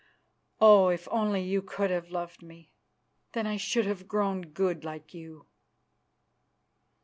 Oh! if only you could have loved me! Then I should have grown good like you."